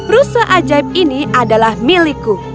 rusa ajaib ini adalah milikku